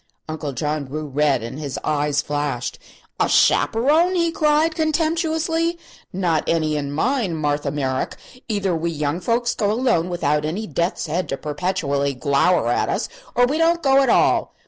Uncle John grew red and his eyes flashed. "A chaperone!" he cried, contemptuously; "not any in mine, Martha Merrick. Either we young folks go alone, without any death's head to perpetually glower at us, or we don't go at all!